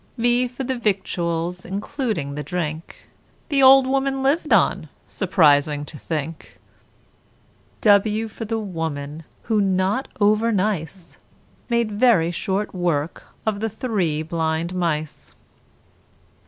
V for the Victuals, including the drink, The old woman lived on surprising to think! [Illustration: WXYZ] W for the WOMAN who not over nice, Made very short work of the three blind mice.